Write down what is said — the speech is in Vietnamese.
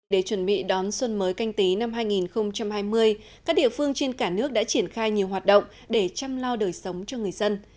để chuẩn bị đón xuân mới canh tí năm hai nghìn hai mươi các địa phương trên cả nước đã triển khai nhiều hoạt động để chăm lao đời sống cho người dân